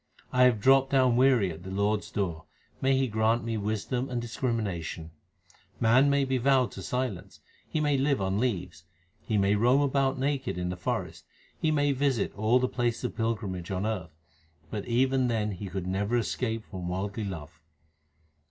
1 have dropped down weary at the Lord s door : may He grant me wisdom and discrimination ! Man may be vowed to silence ; he may live on leaves ; 2 he may roam about naked in the forest ; He may visit all the places of pilgrimage on earth ; but even then he could never escape from worldly love.